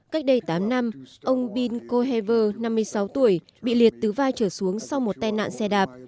cách đây tám năm ông bill cohaver năm mươi sáu tuổi bị liệt tứ vai trở xuống sau một tên nạn xe đạp